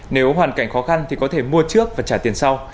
nếu hoàn cảnh khó khăn thì có thể mua trước và trả tiền sau